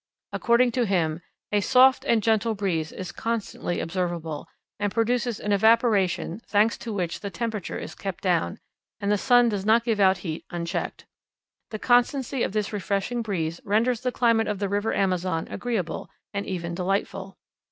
According to him, "a soft and gentle breeze is constantly observable, and produces an evaporation, thanks to which the temperature is kept down, and the sun does not give out heat unchecked. The constancy of this refreshing breeze renders the climate of the river Amazon agreeable, and even delightful."